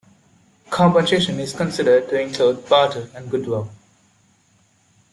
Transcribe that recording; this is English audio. Compensation is considered to include barter and goodwill.